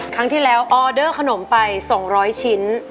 ครั้งที่แล้วออเดอร์ขนมไป๒๐๐ชิ้น